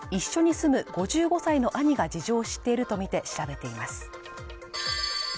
警察は一緒に住む５５歳の兄が事情を知っているとみて調べています。